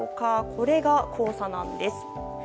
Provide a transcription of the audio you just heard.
これが黄砂なんです。